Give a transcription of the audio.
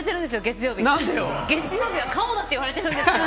月曜日はカモだって言われてるんですよ。